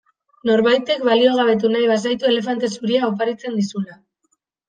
Norbaitek baliogabetu nahi bazaitu elefante zuria oparitzen dizula.